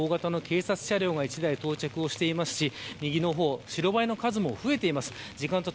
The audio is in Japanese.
奥の方には大型の警察車両が１台到着していますし右の方、白バイの数も増えています。